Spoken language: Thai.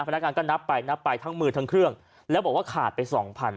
พนักงานก็นับไปนับไปทั้งมือทั้งเครื่องแล้วบอกว่าขาดไปสองพัน